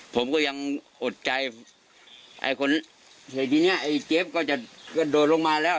ผมก็ยังอดใจไอ้คนแต่ทีเนี้ยไอ้เจฟก็จะกระโดดลงมาแล้ว